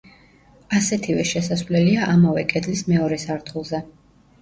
ასეთივე შესასვლელია ამავე კედლის მეორე სართულზე.